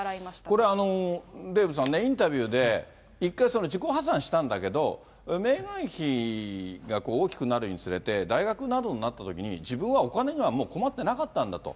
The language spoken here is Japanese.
これデーブさんね、インタビューで、一回、自己破産したんだけれども、メーガン妃が大きくなるにつれて、大学などになったときに、自分はお金にはもう困ってなかったんだと。